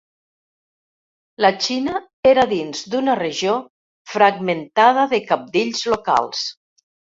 La Xina era dins d'una regió fragmentada de cabdills locals.